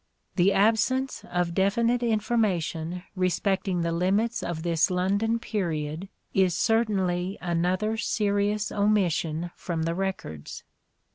The absence of definite information respecting the limits of this London period is certainly another serious omission from the records.